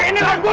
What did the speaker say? aku berani gua